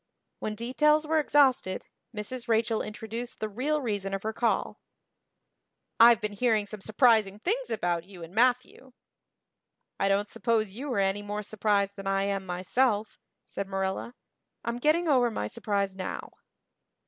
When details were exhausted Mrs. Rachel introduced the real reason of her call. "I've been hearing some surprising things about you and Matthew." "I don't suppose you are any more surprised than I am myself," said Marilla. "I'm getting over my surprise now."